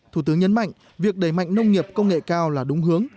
thủ tướng nhấn mạnh việc đẩy mạnh nông nghiệp công nghệ cao là đúng hướng